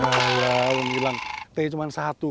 ya ya hilang t cuma satu